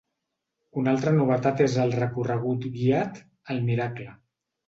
Una altra novetat és el recorregut guiat ‘El miracle’.